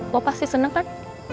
lu pasti seneng kan